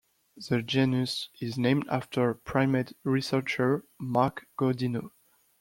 The genus is named after primate researcher Marc Godinot.